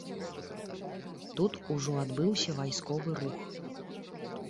Тут ужо адбыўся вайсковы рух.